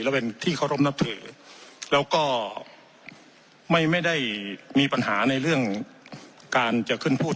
และเป็นที่เคารพนับถือแล้วก็ไม่ไม่ได้มีปัญหาในเรื่องการจะขึ้นพูด